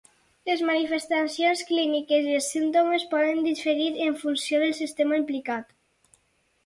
Les manifestacions clíniques i els símptomes poden diferir en funció del sistema implicat.